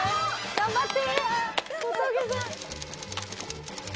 頑張って！